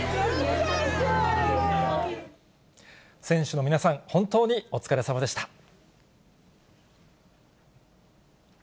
選手の皆さん、本当にお疲れさまでした。